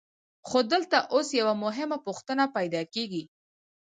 خو دلته اوس یوه مهمه پوښتنه پیدا کېږي